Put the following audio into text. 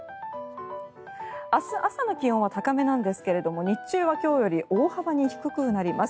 明日朝の気温は高めなんですが日中は今日より大幅に低くなります。